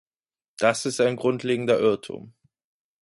Das ist ein grundlegender Irrtum.